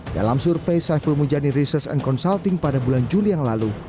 dalam survei saiful mujani research and consulting pada bulan juli yang lalu